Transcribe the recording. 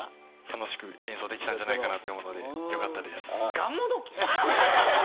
楽しく演奏できたんじゃないかと思うのでよかったです。